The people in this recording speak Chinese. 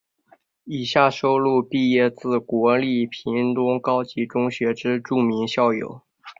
以下收录毕业自国立屏东高级中学之著名校友。